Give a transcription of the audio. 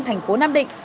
thành phố nam định